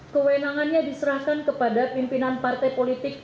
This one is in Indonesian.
kewenangannya diserahkan kepada pimpinan partai politik